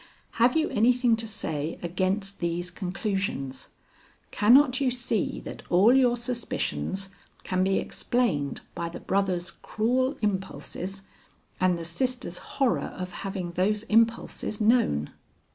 Have you anything to say against these conclusions? Cannot you see that all your suspicions can be explained by the brother's cruel impulses and the sisters' horror of having those impulses known?"